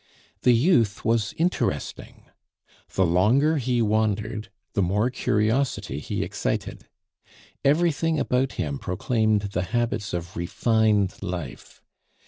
The youth was interesting; the longer he wandered, the more curiosity he excited. Everything about him proclaimed the habits of refined life.